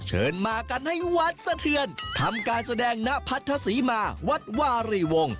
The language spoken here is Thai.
เชิญมากันให้วัดสะเทือนทำการแสดงณพัทธศรีมาวัดวารีวงศ